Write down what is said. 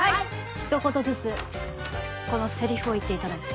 一言ずつこのセリフを言っていただいて